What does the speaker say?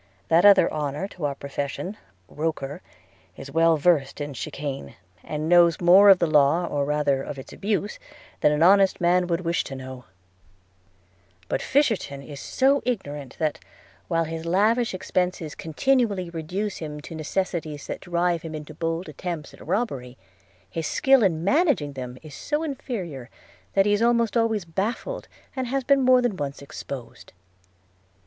That other honour to our profession, Roker, is well versed in chicane, and knows more of the law, or rather of its abuse, than an honest man would wish to know; but Fisherton is so ignorant that, while his lavish expences continually reduce him to necessities that drive him into bold attempts at robbery, his skill in managing them is so inferior that he is almost always baffled, and has been more than once exposed.'